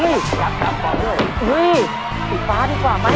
ดีกว่าอีกกว้ารีเกิดดีกว่ามั้ย